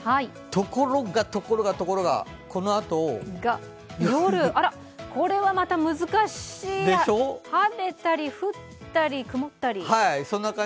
ところがところがところがこのあと夜、これはまた難しい晴れたり、降ったり、曇ったり。